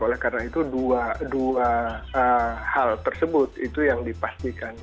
oleh karena itu dua hal tersebut itu yang dipastikan